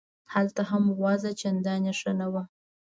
هلته هم وضع چندانې ښه نه وه.